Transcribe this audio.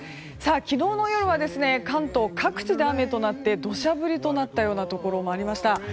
昨日の夜は関東各地で雨となって土砂降りとなったようなところもありました。